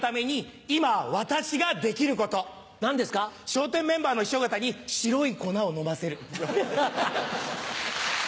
笑点メンバーの師匠方に白い粉を飲ませる。